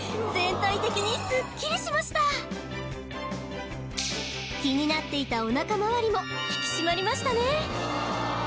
全体的にすっきりしました気になっていたお腹回りも引き締まりましたね